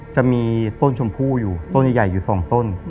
จะมีต้นชมพู่อยู่ต้นใหญ่อยู่๒ต้น